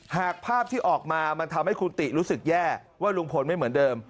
หากภาพที่ออกมามันทำให้คุณติรู้สึกแย่ว่าลุงพลไม่เหมือนเดิม